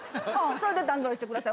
それで段取りしてください。